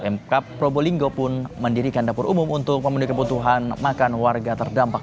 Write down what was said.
mk probolinggo pun mendirikan dapur umum untuk memenuhi kebutuhan makan warga terdampak